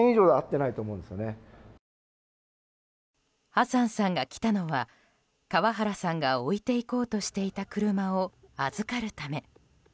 ハサンさんが来たのは川原さんが置いていこうとしていた車を預かるため。